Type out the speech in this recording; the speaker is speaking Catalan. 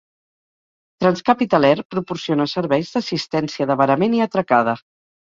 Trans-Capital Air proporciona serveis d"assistència d"avarament i atracada.